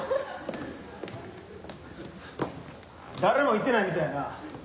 誰もいてないみたいやな。